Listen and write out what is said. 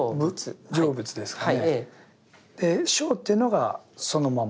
「性」っていうのがそのまま。